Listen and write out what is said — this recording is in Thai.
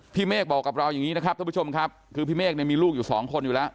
เมฆบอกกับเราอย่างนี้นะครับท่านผู้ชมครับคือพี่เมฆเนี่ยมีลูกอยู่สองคนอยู่แล้ว